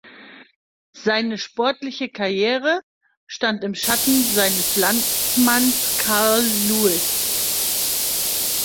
Seine sportliche Karriere stand im Schatten seines Landsmanns Carl Lewis.